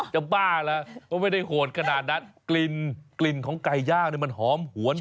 จะบ้าระเขาไม่ได้โหดขนาดนั้นกลิ่นของไก่ย่างมันหอมหวนทวน